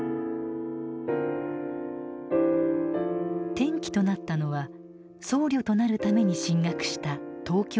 転機となったのは僧侶となるために進学した東京の大学での出来事。